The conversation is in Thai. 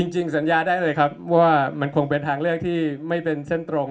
จริงสัญญาได้เลยครับว่ามันคงเป็นทางเลือกที่ไม่เป็นเส้นตรง